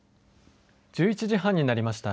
１１時半になりました。